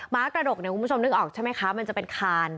้ากระดกเนี่ยคุณผู้ชมนึกออกใช่ไหมคะมันจะเป็นคาน